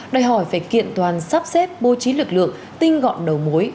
đòi hỏi phải kiện toàn sắp xếp bố trí lực lượng tinh gọn đầu mối